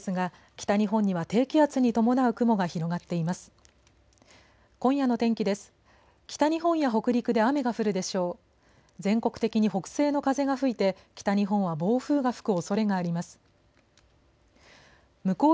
北日本や北陸で雨が降るでしょう。